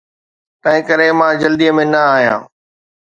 تنهنڪري مان جلدي ۾ نه آهيان.